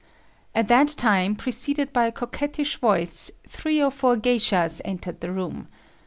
At that time, preceded by a coquetish voice, three or four geishas entered the room.